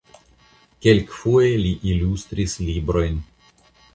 Kelkfoje li ilustris librojn.